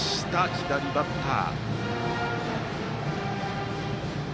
左バッター。